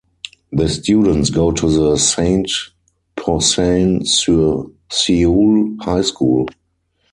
The students go to the Saint-Pourçain-sur-Sioule high school.